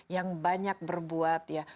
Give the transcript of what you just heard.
yang banyak berbuat ya